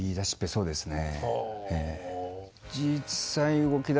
そうですね。